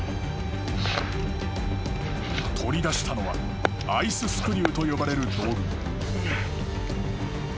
［取り出したのはアイススクリューと呼ばれる道具］